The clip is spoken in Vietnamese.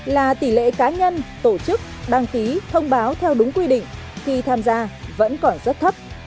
là tỷ lệ cá nhân tổ chức đăng ký thông báo theo đúng quy định khi tham gia vẫn còn rất thấp